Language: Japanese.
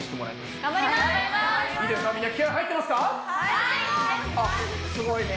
すごいね。